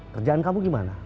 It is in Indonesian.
kerjaan kamu gimana